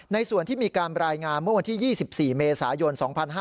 ในส่วนที่มีการรายงานเมื่อวันที่๒๔เมษายน๒๕๕๙